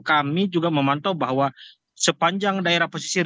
kami juga memantau bahwa sepanjang daerah pesisir